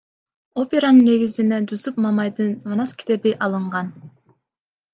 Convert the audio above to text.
Операнын негизине Жусуп Мамайдын Манас китеби алынган.